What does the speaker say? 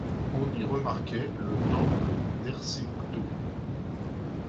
On y remarquait le temple de Dercéto.